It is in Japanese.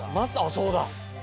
そうだ。